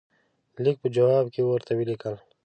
لیک په جواب کې ورته ولیکل.